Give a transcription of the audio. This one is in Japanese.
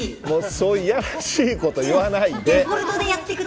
そういういやらしいこと言わないで。